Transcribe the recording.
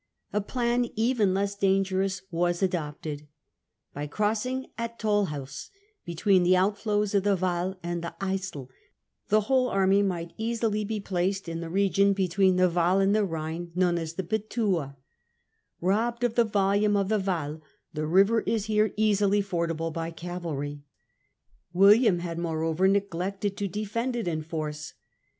A plan even less dangerous was adopted. By crossing at Tolliuys, between the outflows of the Waal and the Crossing of Yssel, the whole army might easily be placed the Rhine at j n the region between the Waal and the Rhine i672, UyS ' known as the ' Betuwe.' Robbed of the volume June 12. 0 f t | ie Waal, the river is here easily fordable by cavalry. William had, moreover, neglected to defend it in force.